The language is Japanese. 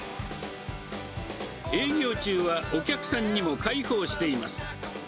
営業中はお客さんにも開放しています。